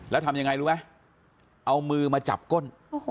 แล้วทำยังไงรู้ไหมเอามือมาจับก้น